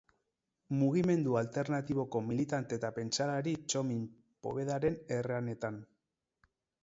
Mugimendu alternatiboko militante eta pentsalari Txomin Povedaren erranetan.